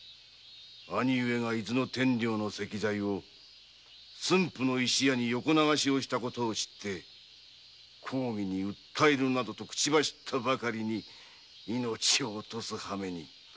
兄上が天領の石材を駿府の石屋に横流しした事を知って公儀に訴えるなどと口走ったばかりに命を落とす破目に。